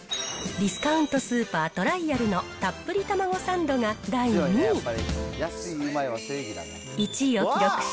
ディスカウントスーパー、トライアルのたっぷり玉子サンドが第２位です。